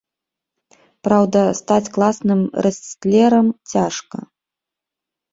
Праўда, стаць класным рэстлерам цяжка.